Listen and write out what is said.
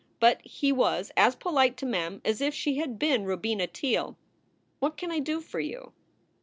But he was as polite to Mem as if she had been Robina Teele. "What can I do for you?"